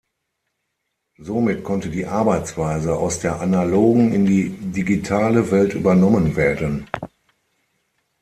Somit konnte die Arbeitsweise aus der analogen in die digitale Welt übernommen werden.